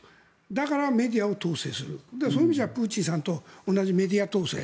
だからメディアを統制するそういう意味じゃプーチンさんと同じメディア統制。